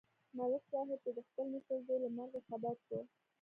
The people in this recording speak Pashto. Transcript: ملک صاحب چې د خپل مشر زوی له مرګه خبر شو